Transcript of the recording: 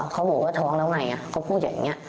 เขาบอกว่าท้องแล้วไงก็พูดอย่างนี้